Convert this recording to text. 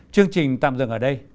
chương trình tạm dừng ở đây